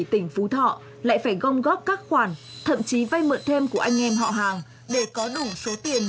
tỉnh phú thọ lại phải gom góp các khoản thậm chí vay mượn thêm của anh em họ hàng để có đủ số tiền